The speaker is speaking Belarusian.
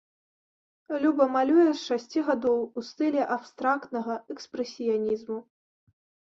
Люба малюе з шасці гадоў у стылі абстрактнага экспрэсіянізму.